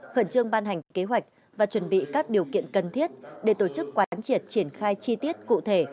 khẩn trương ban hành kế hoạch và chuẩn bị các điều kiện cần thiết để tổ chức quán triệt triển khai chi tiết cụ thể